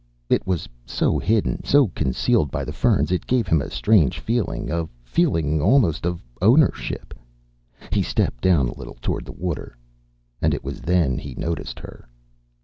It was so hidden, so concealed by the ferns. It gave him a strange feeling, a feeling almost of ownership. He stepped down a little toward the water. And it was then he noticed her.